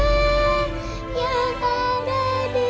yang ada di dalammu